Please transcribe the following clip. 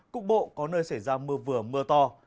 cục bộ có nơi xảy ra mưa vừa mưa to